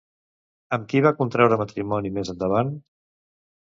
Amb qui va contraure matrimoni més endavant?